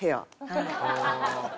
はい。